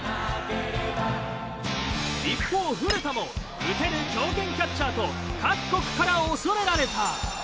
一方古田も打てる強肩キャッチャーと各国から恐れられた。